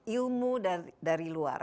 ilmu dari luar